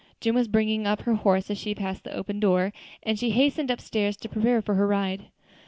Jim was bringing up her horse as she passed the open door; and she hastened up stairs to prepare for her ride.